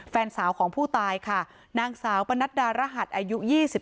แฟนสาวของผู้ตายค่ะนางสาวปนัดดารหัสอายุ๒๓